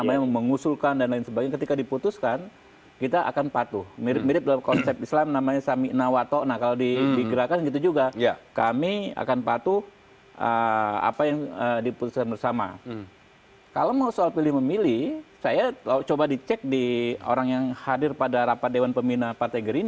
dan sudah tersambung melalui sambungan telepon ada andi arief wasekjen